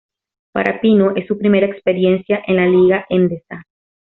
Para Pino es su primera experiencia en la Liga Endesa.